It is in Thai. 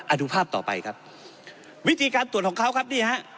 ดูภาพต่อไปครับวิธีการตรวจของเขาครับนี่ฮะ